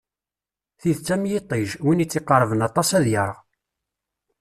Tidet am yiṭij, win i tt-iqerben aṭas ad ireɣ.